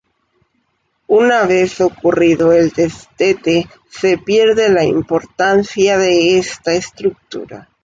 Una vez ocurrido el destete se pierde la importancia de esta estructura.